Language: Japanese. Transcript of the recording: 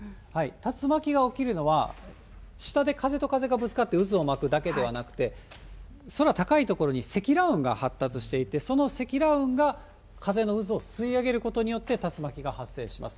竜巻が起きるのは、下で風と風がぶつかって渦を巻くだけではなくて、空高い所に積乱雲が発達していて、その積乱雲が風の渦を吸い上げることによって、竜巻が発生します。